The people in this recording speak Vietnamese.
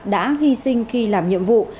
đã hy sinh khi làm nhiệm vụ